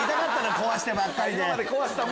壊してばっかりで。